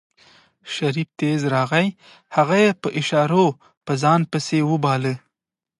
شريف تېز راغی هغه يې په اشارو په ځان پسې وباله.